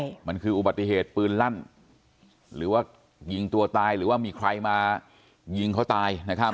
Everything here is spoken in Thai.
ใช่มันคืออุบัติเหตุปืนลั่นหรือว่ายิงตัวตายหรือว่ามีใครมายิงเขาตายนะครับ